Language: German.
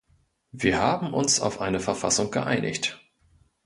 Wir haben uns auf eine Verfassung geeinigt.